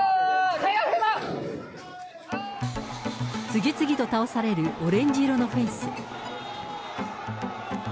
次々と倒されるオレンジ色のフェンス。